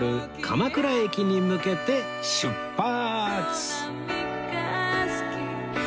鎌倉駅に向けて出発